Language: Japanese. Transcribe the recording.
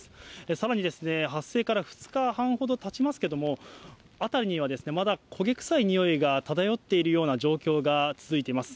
さらに、発生から２日半ほどたちますけども、辺りにはまだ焦げ臭いにおいが漂っているような状況が続いています。